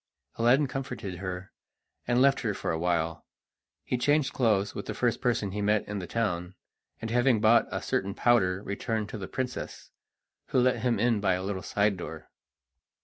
Aladdin comforted her, and left her for a while. He changed clothes with the first person he met in the town, and having bought a certain powder returned to the princess, who let him in by a little side door.